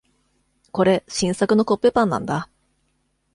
これ、新作のコッペパンなんだ。